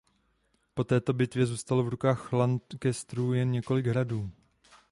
Po této bitvě zůstalo v rukách Lancasterů jen několik hradů.